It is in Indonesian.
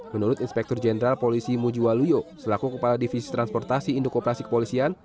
menurut inspektur jenderal polisi mujewa luyo selaku kepala divisi transportasi indokooperasi kepolisian